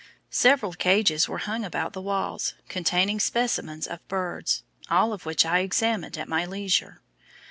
Several cages were hung about the walls, containing specimens of birds, all of which I examined at my leisure.